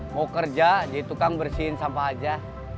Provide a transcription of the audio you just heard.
mau kerja jadi tukang bersihin sampah aja